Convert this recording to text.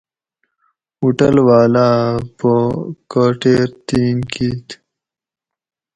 اوٹل واۤلاۤ اۤ پا کاٹیر تِین کِیت